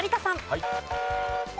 はい。